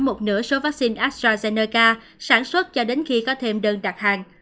một nửa số vaccine astrazeneca sản xuất cho đến khi có thêm đơn đặt hàng